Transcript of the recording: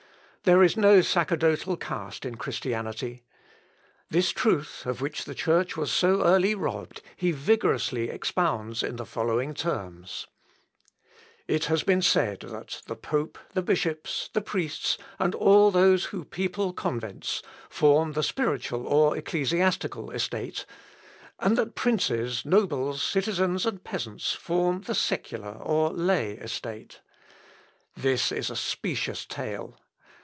There is no sacerdotal caste in Christianity. This truth, of which the Church was so early robbed, he vigorously expounds in the following terms: "It has been said that the pope, the bishops, the priests, and all those who people convents, form the spiritual or ecclesiastical estate; and that princes, nobles, citizens, and peasants, form the secular or lay estate. This is a specious tale.